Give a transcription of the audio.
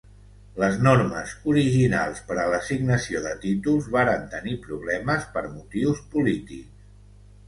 Les normes originals per a l'assignació de títols varen tenir problemes per motius polítics.